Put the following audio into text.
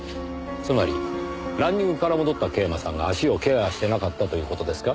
つまりランニングから戻った桂馬さんが足をケアしてなかったという事ですか？